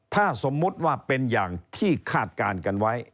ถ้าสมมุติว่าเป็นอย่างที่คาดการณ์กันไว้